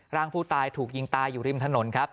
ร่างผู้ตายถูกยิงตายอยู่ริมถนนครับ